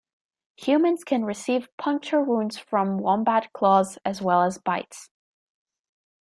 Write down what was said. Humans can receive puncture wounds from wombat claws, as well as bites.